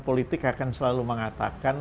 politik akan selalu mengatakan